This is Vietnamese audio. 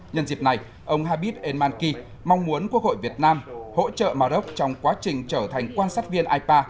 nhân dịp này ông habbib el manki mong muốn quốc hội việt nam hỗ trợ maroc trong quá trình trở thành quan sát viên ipa